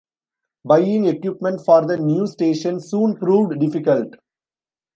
Buying equipment for the new station soon proved difficult.